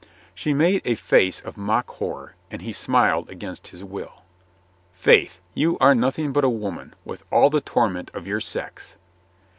She made a face of mock horror, and he smiled against his will. "Faith, you are nothing but a woman, with all the torment of your sex."